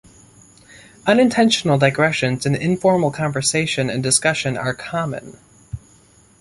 Unintentional digressions in informal conversation and discussion are common.